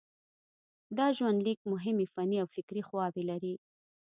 دا ژوندلیک مهمې فني او فکري خواوې لري.